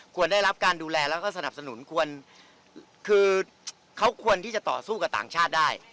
ได้รับการดูแลแล้วก็สนับสนุนควรคือเขาควรที่จะต่อสู้กับต่างชาติได้